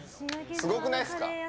すごくないですか。